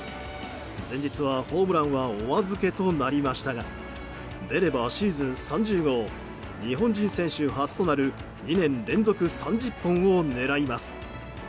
前日は、ホームランはお預けとなりましたが出れば、シーズン３０号日本人選手初となる２年連続３０本を狙います。